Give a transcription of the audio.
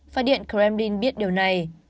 và điện kremlin biết điều này